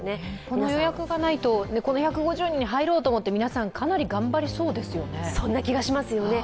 この予約がないと、この１５０人に入ろうと思って皆さん、かなり頑張りそうですよね